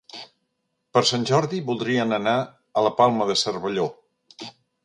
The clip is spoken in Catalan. Per Sant Jordi voldrien anar a la Palma de Cervelló.